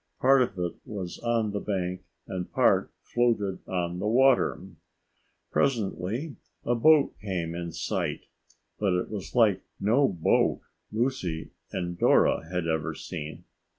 Part of it was on the bank and part floated on the water. Presently a boat came in sight, but it was like no boat Lucy and Dora had ever seen.